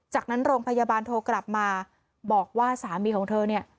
จากนั้นโรงพยาบาลโทรกลับมาบอกว่าสามีของเธอเนี่ย